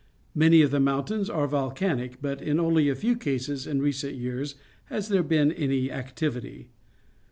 Many of the mountains are volcanic, but in only a few cases in recent years has there been any activity.